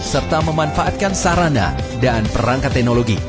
serta memanfaatkan sarana dan perangkat teknologi